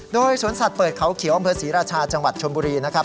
โดยสวนสัตว์เปิดเขาเขียวอำเภอศรีราชาจังหวัดชนบุรีนะครับ